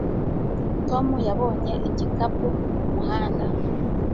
Tom yabonye igikapu kumuhanda